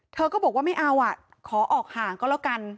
เธอก็บอกว่าไม่เอาอ่ะขอออกห่างก็แล้วกัน